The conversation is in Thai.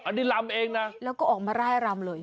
อันนี้ลำเองนะแล้วก็ออกมาร่ายรำเลย